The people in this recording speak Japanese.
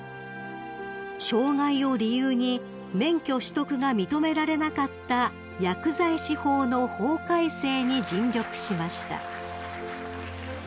［障害を理由に免許取得が認められなかった薬剤師法の法改正に尽力しました］